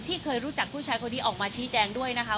เคยรู้จักผู้ชายคนนี้ออกมาชี้แจงด้วยนะคะ